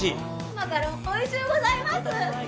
マカロンおいしゅうございます。